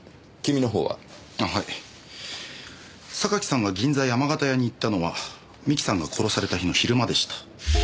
榊さんが銀座山形屋に行ったのは三木さんが殺された日の昼間でした。